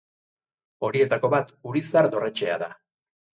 Horietako bat Urizar dorretxea da.